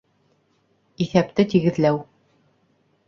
Иҫәпте тигеҙләү